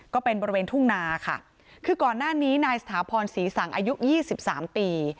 ก็เป็นบริเวณทุ่งนาค่ะคือก่อนหน้านี้นายสถาพรศรีสังอายุยี่สิบสามปี